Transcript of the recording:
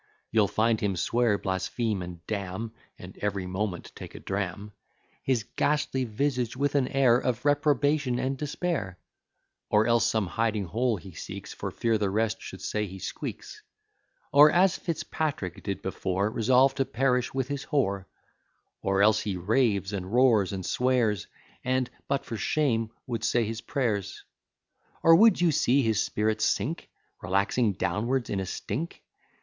You'll find him swear, blaspheme, and damn (And every moment take a dram) His ghastly visage with an air Of reprobation and despair; Or else some hiding hole he seeks, For fear the rest should say he squeaks; Or, as Fitzpatrick did before, Resolve to perish with his whore; Or else he raves, and roars, and swears, And, but for shame, would say his prayers. Or, would you see his spirits sink? Relaxing downwards in a stink?